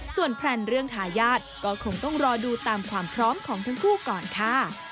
ส่วนแพลนเรื่องทายาทก็คงต้องรอดูตามความพร้อมของทั้งคู่ก่อนค่ะ